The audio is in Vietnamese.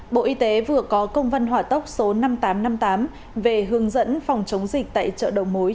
bộ y tế vừa có công văn hỏa tốc số năm nghìn tám trăm năm mươi tám về hướng dẫn phòng chống dịch tại chợ đầu mối